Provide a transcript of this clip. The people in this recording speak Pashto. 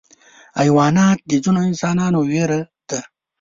حیوانات د ځینو انسانانو ویره ده.